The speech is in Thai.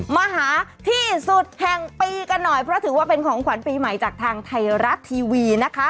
มาหาที่สุดแห่งปีกันหน่อยเพราะถือว่าเป็นของขวัญปีใหม่จากทางไทยรัฐทีวีนะคะ